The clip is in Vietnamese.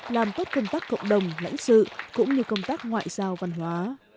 làm tốt công tác cộng đồng lãnh sự cũng như công tác ngoại giao văn hóa